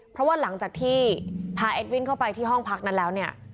เพราะว่าหลังจากที่พาเอ็ดวินเข้าไปที่ห้องพักนั้นแล้วเนี่ย